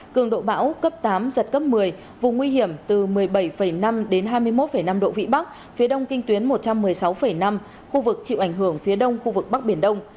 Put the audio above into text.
cường độ bão cấp tám giật cấp một mươi vùng nguy hiểm từ một mươi bảy năm đến hai mươi một năm độ vĩ bắc phía đông kinh tuyến một trăm một mươi sáu năm khu vực chịu ảnh hưởng phía đông khu vực bắc biển đông